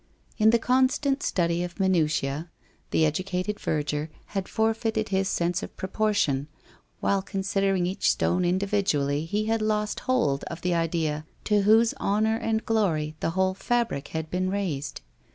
In the constant study of minutiae the educated verger had forfeited his sense of proportion; while considering each stone individually, he had lost hold of the idea to whose honour and glory the whole fabric had been raised.